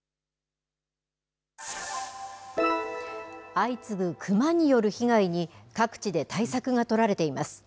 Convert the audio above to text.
相次ぐクマによる被害に、各地で対策が取られています。